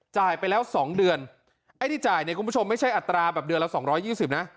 จ่ายไปแล้วสองเดือนไอ้ที่จ่ายเนี่ยคุณผู้ชมไม่ใช่อัตราแบบเดือนละสองร้อยยี่สิบนะ